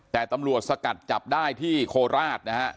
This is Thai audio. แต่ตำรวจสกัดจับได้ที่โคราชนะฮะ